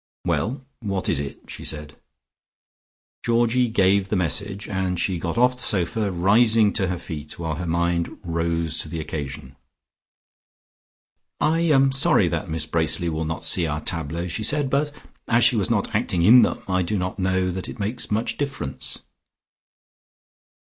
"Well, what is it?" she said. Georgie gave the message, and she got off the sofa, rising to her feet, while her mind rose to the occasion. "I am sorry that Miss Bracely will not see our tableaux," she said. "But as she was not acting in them I do not know that it makes much difference."